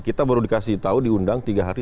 kita baru dikasih tahu diundang tiga hari